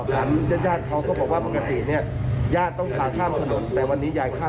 ท่านส่อยืนยันว่าที่บางศัพท์ธิบาย